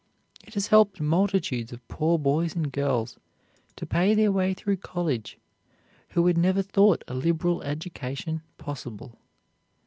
It has helped multitudes of poor boys and girls to pay their way through college who had never thought a liberal education possible.